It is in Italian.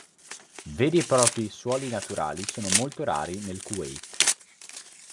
Veri e propri suoli naturali sono molto rari nel Kuwait.